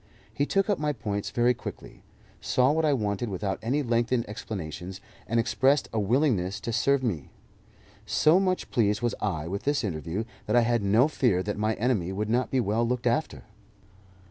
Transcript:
He took up my points very quickly, saw what I wanted without any lengthened explanations, and expressed a willingness to serve me. So much pleased was I with this interview, that I had no fear that my enemy would not be well looked after.